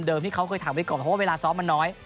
ที่เขาเคยถามไปก่อนเพราะว่าเวลาซ้อมมันน้อย